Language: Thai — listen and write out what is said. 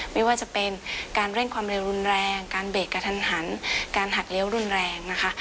ไม่ว่าจะเป็นการเร่งความเร็วรุนแรงการเบรกกระทันหันการหักเลี้ยวรุนแรงนะคะ